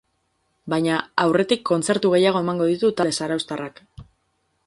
Baina aurretik kontzertu gehiago emango ditu talde zarauztarrak.